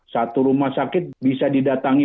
satu rumah sakit bisa didatangi